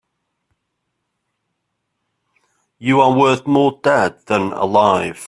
You're worth more dead than alive.